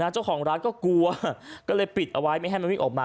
เจ้าของร้านก็กลัวก็เลยปิดเอาไว้ไม่ให้มันวิ่งออกมา